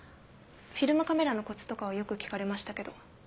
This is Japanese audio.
フィルムカメラのコツとかはよく聞かれましたけど。